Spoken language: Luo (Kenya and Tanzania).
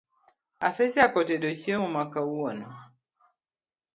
Asechako tedo chiemo ma kawuono